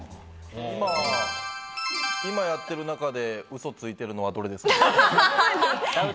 今やってる中で嘘ついてるのはどれですか？